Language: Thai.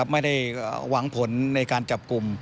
ไม่ได้หวังผลในการจับกลุ่ม